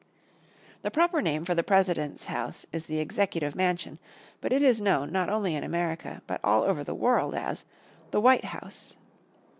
The proper name for the President's house is the Executive Mansion, but it is known, not only in America, but all the world over as the White House.